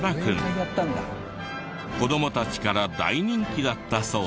子供たちから大人気だったそうで。